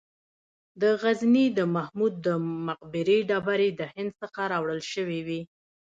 د غزني د محمود د مقبرې ډبرې د هند څخه راوړل شوې وې